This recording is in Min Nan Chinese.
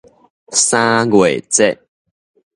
三月節